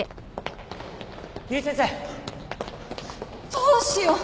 どうしよう！